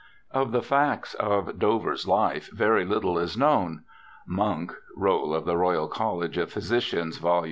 Of the facts of Dover's life very little is known. Munk [Roll of the Royal College of Physicians, vol.